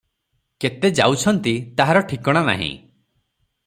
କେତେ ଯାଉଛନ୍ତି, ତାହାର ଠିକଣା ନାହିଁ ।